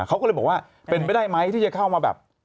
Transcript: เขาก็เลยบอกว่าเป็นไปได้ไหมที่จะเข้ามาแบบ